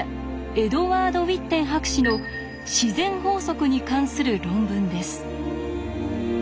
エドワード・ウィッテン博士の自然法則に関する論文です。